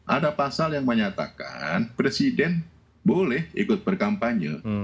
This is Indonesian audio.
ada pasal yang menyatakan presiden boleh ikut berkampanye